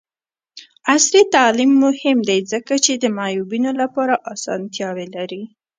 عصري تعلیم مهم دی ځکه چې د معیوبینو لپاره اسانتیاوې لري.